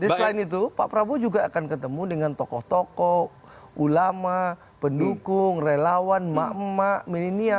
selain itu pak prabowo juga akan ketemu dengan tokoh tokoh ulama pendukung relawan emak emak milenial